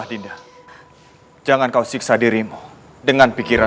tidak tahu keberadaannya